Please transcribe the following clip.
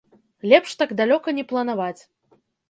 Лепш так далёка не планаваць.